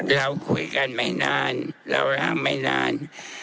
เราคุยกันไม่นานเราร่ามไม่นาน